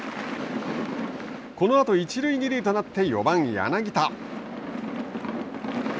このあと、一塁二塁となって４番柳田。